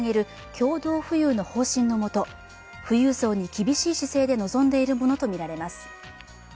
共同富裕の方針のもと富裕層に厳しい姿勢で臨んでいるものとみられます。